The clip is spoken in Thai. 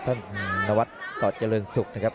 ท่านนวัฒน์ต่อเจริญศุกร์นะครับ